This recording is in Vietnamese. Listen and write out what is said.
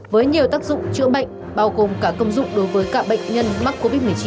với nhiều tác dụng chữa bệnh bao gồm cả công dụng đối với cả bệnh nhân mắc covid một mươi chín